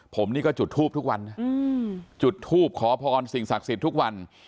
ผมนี่ก็จุดทูปทุกวันนะจุดทูปขอพรสิ่งศักดิ์สิทธิ์ทุกวัน